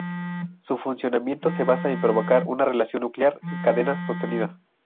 Su funcionamiento se basa en provocar una reacción nuclear en cadena sostenida.